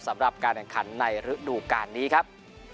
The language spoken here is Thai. สำหรับการแข่งขันในฤดูการนี้ครับ